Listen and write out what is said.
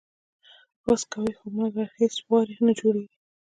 وس کوي خو مګر هیڅ وار یې نه جوړیږي